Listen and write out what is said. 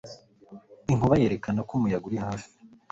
Inkuba yerekana ko umuyaga uri hafi